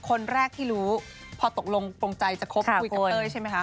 คนแรกที่รู้พอตกลงตรงใจจะคบคุยกับเต้ยใช่ไหมคะ